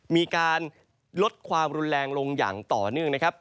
มีการลดความรุนแรงลงอย่างต่อนึ่ง